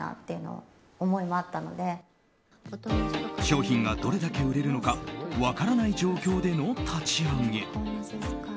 商品がどれだけ売れるのか分からない状況での立ち上げ。